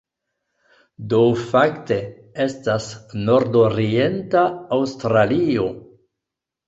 Do fakte estas nordorienta Aŭstralio.